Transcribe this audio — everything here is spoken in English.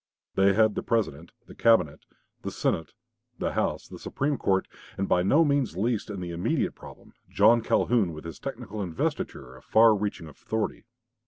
They had the President, the Cabinet, the Senate, the House, the Supreme Court, and, by no means least in the immediate problem, John Calhoun with his technical investiture of far reaching authority.